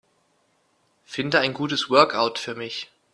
Finde ein gutes Workout für mich.